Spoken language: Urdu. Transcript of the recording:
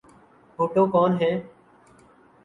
بھٹو کون ہیں؟